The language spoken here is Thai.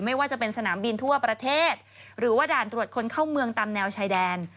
ไม่ว่าจะเป็นสนามบินทั่วประเทศหรือว่าด่านตรวจคนเข้าเมืองตามแนวชายแดน